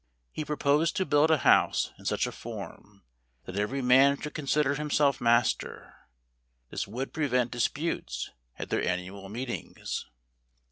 He proposed to build a house in such a form, that every man should consider himself master; this would prevent disputes at their annual meetings.